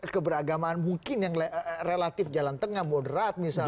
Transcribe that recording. keberagamaan mungkin yang relatif jalan tengah moderat misalnya